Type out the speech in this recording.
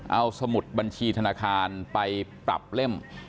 เอาสมุดบัญชีธนาคารไปปรับเล่ม